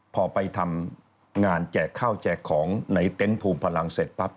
พอไปทำงานแจกข้าวแจกของในเต็นต์ภูมิพลังเสร็จปั๊บ